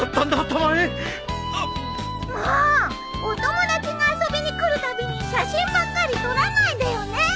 お友達が遊びに来るたびに写真ばっかり撮らないでよね！